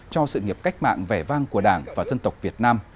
cho sự nghiệp cách mạng vẻ vang của đảng và dân tộc việt nam